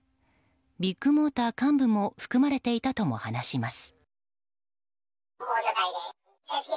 ビッグモーター幹部も含まれていたとも話します。